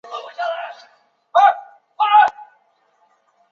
马勒在他的几首交响曲中以兰德勒取代诙谐曲。